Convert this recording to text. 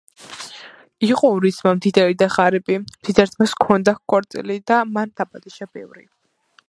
იყო ორი ძმა მდიდარი და ღარიბი მდიდარ ძმას ჰქონდა ქორწილი და მან დაპატიჟა ბევრი